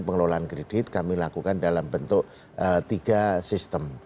pengelolaan kredit kami lakukan dalam bentuk tiga sistem